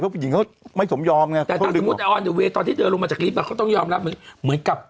ว่ามีเมียแล้วเพราะไม่อยากยุ่ม